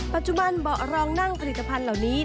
ปัจจุบันเบาะรองนั่งผลิตภัณฑ์เหล่านี้